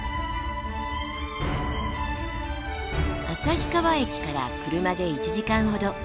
旭川駅から車で１時間ほど。